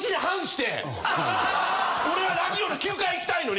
俺はラジオの９階行きたいのに。